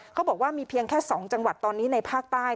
เขาบอกว่ามีเพียงแค่๒จังหวัดตอนนี้ในภาคใต้